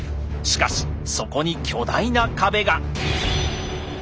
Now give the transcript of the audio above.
しかしそこに巨大な壁が！